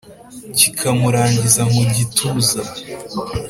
kikamurangiza mu gituza,